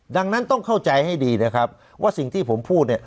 ดังนั้นต้องเข้าใจให้ดีนะครับว่าสิ่งที่ผมพูดเนี่ย